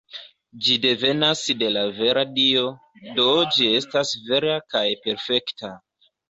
Ĝi devenas de la vera Dio, do ĝi estas vera kaj perfekta.